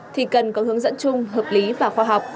thì cần có hướng dẫn chung hợp lý và khoa học